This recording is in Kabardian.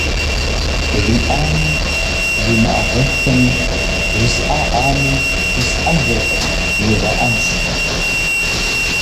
Жиӏами жимыӏагъэххэми, жысӏаӏами, жысӏэжыркъым жыуигъэӏэнщ.